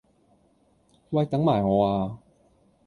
喂等埋我呀